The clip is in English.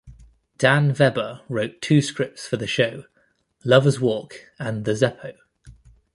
Dan Vebber wrote two scripts for the show: "Lovers Walk" and "The Zeppo".